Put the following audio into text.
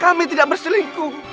kami tidak berselingkuh